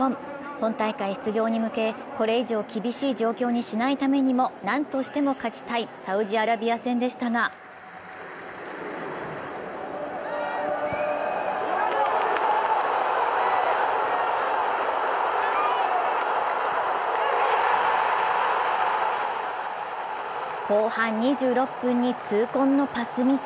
本大会出場に向け、これ以上厳しい状況にしないためにも何としても勝ちたいサウジアラビア戦でしたが後半２６分に痛恨のパスミス。